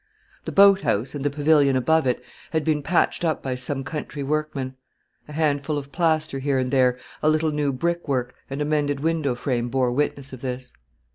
The boat house, and the pavilion above it, had been patched up by some country workmen. A handful of plaster here and there, a little new brickwork, and a mended window frame bore witness of this.